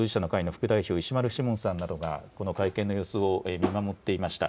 副代表、石丸志門さんなどが、この会見の様子を見守っていました。